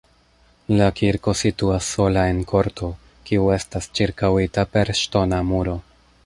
La kirko situas sola en korto, kiu estas ĉirkaŭita per ŝtona muro.